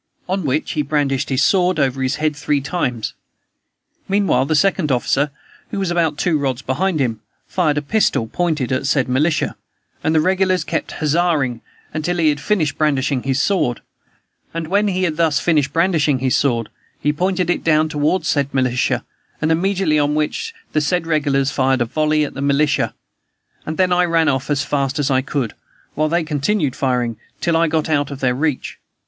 on which he brandished his sword over his head three times: meanwhile, the second officer, who was about two rods behind him, fired a pistol, pointed at said militia, and the regulars kept huzzaing till he had finished brandishing his sword; and when he had thus finished brandishing his sword, he pointed it down toward said militia, and immediately on which the said regulars fired a volley at the militia, and then I ran off as fast as I could, while they continued firing till I got out of their reach.